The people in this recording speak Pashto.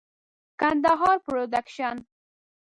ګندهارا پروډکشن.